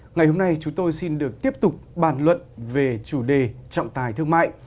ngày hôm nay chúng tôi xin được tiếp tục bàn luận về chủ đề trọng tài thương mại